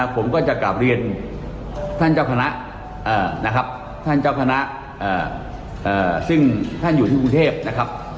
ผมก็จะกลับเรียนท่านเจ้าคณะนะครับท่านเจ้าคณะซึ่งท่านอยู่ที่กรุงเทพนะครับ